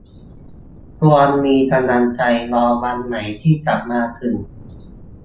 ควรมีกำลังใจรอวันใหม่ที่จะมาถึง